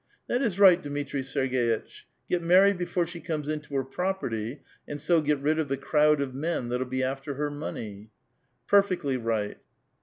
"That is right, Dmitri Serg^itch; get married before she comes into hier property, and so get rid of the crowd of men that'll be after her money." *' Perfectly right."